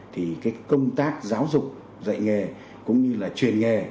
thì cái công tác giáo dục dạy nghề cũng như là truyền nghề